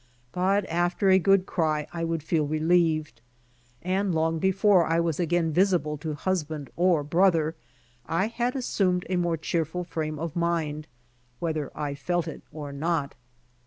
But after a good cry I would feel relieved, and long before I was again visible to husband or brother, I had assumed a miore cheerful frame of mind, whether I felt it or not.